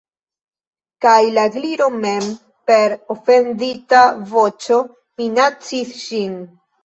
Kaj la Gliro mem per ofendita voĉo minacis ŝin.